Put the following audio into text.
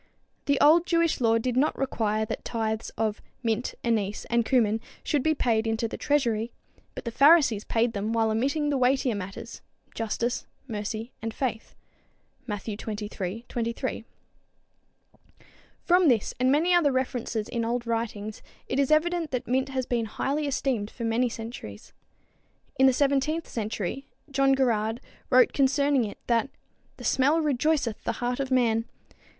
The old Jewish law did not require that tithes of "mint, anise and cumin" should be paid in to the treasury, but the Pharisees paid them while omitting the weightier matters, justice, mercy, and faith (Matthew xxiii, 23). From this and many other references in old writings it is evident that mint has been highly esteemed for many centuries. In the seventeenth century John Gerarde wrote concerning it that "the smelle rejoyceth the heart of man."